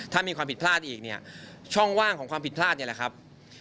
ถ้ามีความผิดพลาดอีกเนี่ยช่องว่างของความผิดพลาดเนี่ยแหละครับ